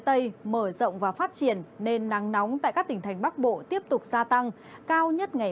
tây mở rộng và phát triển nên nắng nóng tại các tỉnh thành bắc bộ tiếp tục gia tăng cao nhất ngày